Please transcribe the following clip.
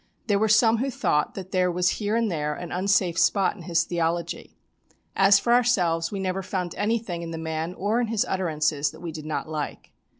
There were some who thought that there was here and there an unsafe spot in his theology. As for ourselves we never found anything in the man or in his utterances that we did not like.